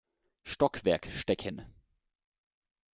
Stockwerk stecken.